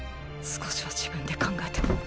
少しは自分で考えて。